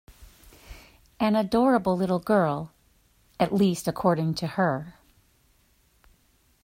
An adorable little girl - at least, according to her.